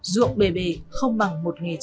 ruộng bề bề không bằng một nghề